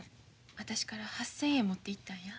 私から８千円持っていったんや。